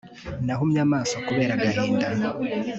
nahumye amaso kubera agahinda